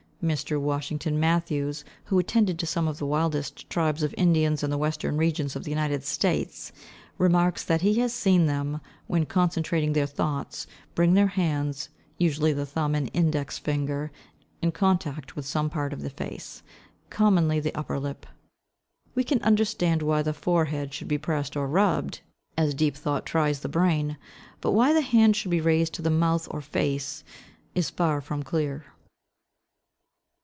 Mr. Washington Matthews, who attended to some of the wildest tribes of Indians in the western regions of the United States, remarks that he has seen them when concentrating their thoughts, bring their "hands, usually the thumb and index finger, in contact with some part of the face, commonly the upper lip." We can understand why the forehead should be pressed or rubbed, as deep thought tries the brain; but why the hand should be raised to the mouth or face is far from clear.